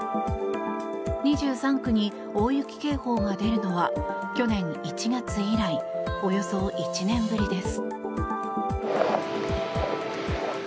２３区に大雪警報が出るのは去年１月以来およそ１年ぶりです。